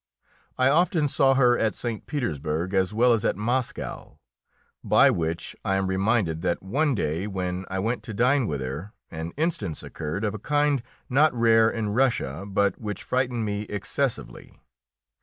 I often saw her at St. Petersburg, as well as at Moscow, by which I am reminded that one day, when I went to dine with her, an instance occurred of a kind not rare in Russia, but which frightened me excessively.